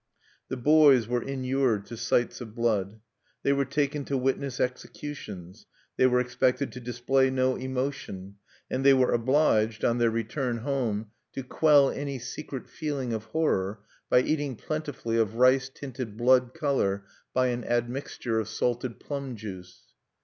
The boys were inured to sights of blood. They were taken to witness executions; they were expected to display no emotion; and they were obliged, on their return home, to quell any secret feeling of horror by eating plentifully of rice tinted blood color by an admixture of salted plum juice.